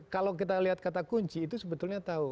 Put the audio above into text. kalau kita lihat kata kunci itu sebetulnya tahu